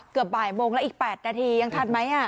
เกือบบ่ายโมงแล้วอีก๘นาทียังทันไหม